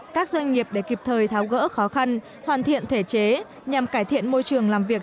các doanh nghiệp để kịp thời tháo gỡ khó khăn hoàn thiện thể chế nhằm cải thiện môi trường làm việc